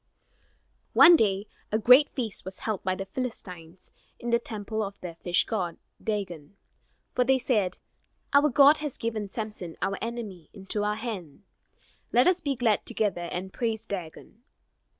One day, a great feast was held by the Philistines in the temple of their fish god, Dagon. For they said: "Our god has given Samson, our enemy, into our hand. Let us be glad together and praise Dagon."